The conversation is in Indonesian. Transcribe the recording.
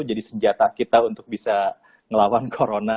jadi senjata kita untuk bisa ngelawan corona